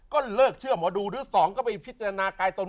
ก็เลิกเชื่อหมอดูหรือสองก็ไปพิจารณากายตน